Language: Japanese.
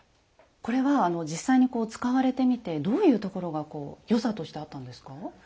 これは実際に使われてみてどういうところが良さとしてあったんですか？